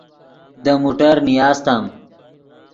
دے موٹر نیاستم